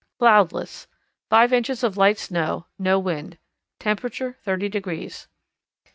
Cloudless; 5 inches of light snow; no wind; temperature 30 degrees.